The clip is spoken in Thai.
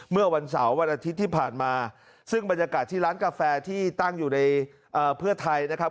เมื่อวันเสาร์วันอาทิตย์ที่ผ่านมาซึ่งบรรยากาศที่ร้านกาแฟที่ตั้งอยู่ในเพื่อไทยนะครับ